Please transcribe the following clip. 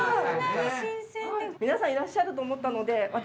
皆さんいらっしゃると思ったので私。